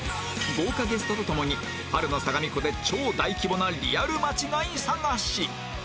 豪華ゲストとともに春の相模湖で超大規模なリアル間違い探し